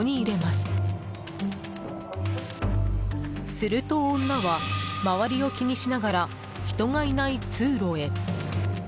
すると、女は周りを気にしながら人がいない通路へ。